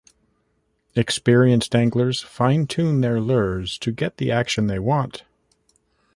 Experienced anglers fine tune their lures to get the action they want.